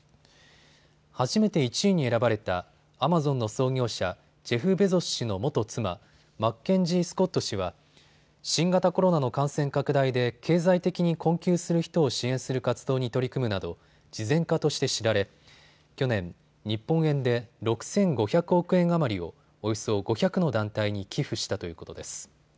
初めて１位に選ばれたアマゾンの創業者、ジェフ・ベゾス氏の元妻、マッケンジー・スコット氏は新型コロナの感染拡大で経済的に困窮する人を支援する活動に取り組むなど慈善家として知られ去年、日本円で６５００億円余りをおよそ５００の団体に寄付したということです。